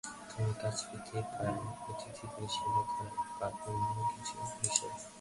তুমি কাজ পেতে পারো অতিথিদের সেবা করা বা অন্য কিছু হিসাবে।